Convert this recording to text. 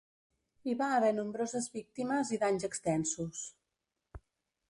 Hi va haver nombroses víctimes i danys extensos.